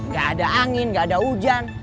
gak ada angin nggak ada hujan